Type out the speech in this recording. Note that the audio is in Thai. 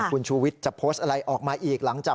คุณชูวิทย์จะโพสต์อะไรออกมาอีกหลังจาก